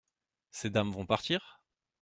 Ces dames vont partir ?…